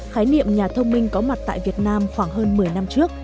khái niệm nhà thông minh có mặt tại việt nam khoảng hơn một mươi năm trước